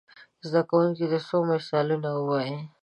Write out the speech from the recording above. زده کوونکي دې څو مثالونه ووايي.